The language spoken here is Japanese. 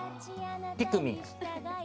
『ピクミン』。